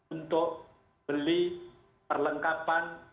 untuk membeli perlengkapan